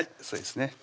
そうですね